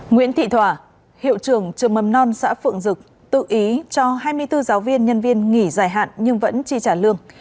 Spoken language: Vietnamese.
nguyễn thị thỏa hiệu trưởng trường mầm non xã phượng dực tự ý cho hai mươi bốn giáo viên nhân viên nghỉ dài hạn nhưng vẫn chi trả lương